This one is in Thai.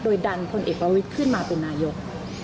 โดยดันพลเอกประวิทย์ขึ้นมาเป็นนายก